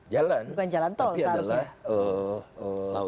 jalan tapi adalah